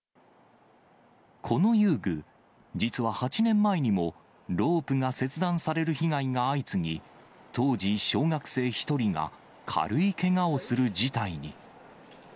この遊具、実は８年前にも、ロープが切断される被害が相次ぎ、当時小学生１人が軽いけがをする事態に。